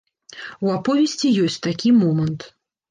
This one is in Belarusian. У аповесці ёсць такі момант.